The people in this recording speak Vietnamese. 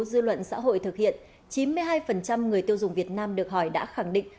dư luận xã hội thực hiện chín mươi hai người tiêu dùng việt nam được hỏi đã khẳng định